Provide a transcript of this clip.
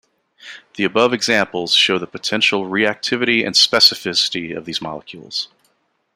The above examples show the potential reactivity and specificity of these molecules.